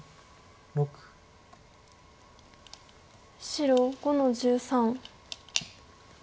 白５の十三。